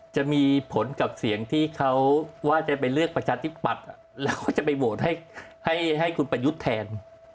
จะมีผลกับเสียงที่เขาว่าจะไปเลือกประชาธิปัตย์แล้วก็จะไปโหวตให้คุณประยุทธ์แทน